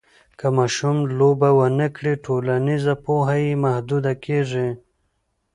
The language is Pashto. که ماشوم لوبې ونه کړي، ټولنیزه پوهه یې محدوده کېږي.